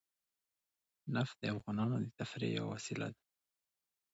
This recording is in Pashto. نفت د افغانانو د تفریح یوه وسیله ده.